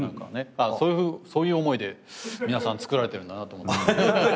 「ああそういう思いで皆さんつくられてるんだな」と思って。